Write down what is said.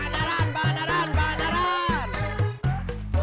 bandaran bandaran bandaran